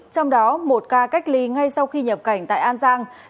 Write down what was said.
trong đó một ca cách ly ngay sau khi nhập cảnh tại an giang